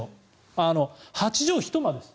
８畳一間です。